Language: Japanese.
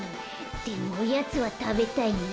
でもおやつはたべたいな。